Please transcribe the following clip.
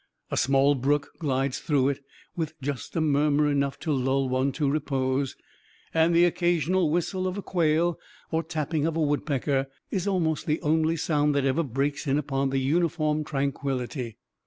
A small brook glides through it, with just murmur enough to lull one to repose, and the occasional whistle of a quail, or tapping of a woodpecker, is almost the only sound that ever breaks in upon the uniform tranquillity.